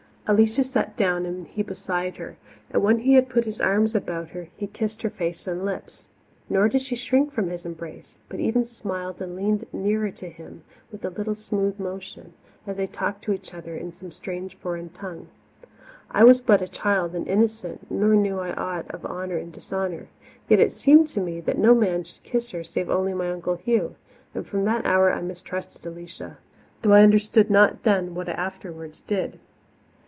Alicia sat down and he beside her, and when he had put his arms about her, he kissed her face and lips. Nor did she shrink from his embrace, but even smiled and leaned nearer to him with a little smooth motion, as they talked to each other in some strange, foreign tongue. I was but a child and innocent, nor knew I aught of honour and dishonour. Yet it seemed to me that no man should kiss her save only my Uncle Hugh, and from that hour I mistrusted Alicia, though I understood not then what I afterwards did.